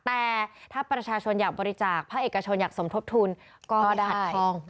แต่ถ้าประชาชนอยากบริจาคภาคเอกชนอยากสมทบทุนก็ได้หัดทอง